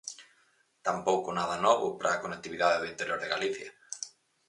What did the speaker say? Tampouco nada novo para a conectividade do interior de Galicia.